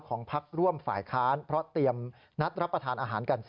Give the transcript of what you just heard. พักร่วมฝ่ายค้านเพราะเตรียมนัดรับประทานอาหารกัน